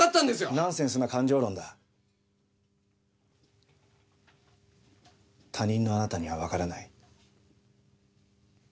ナンセンスな感情論だ他人のあなたには分からない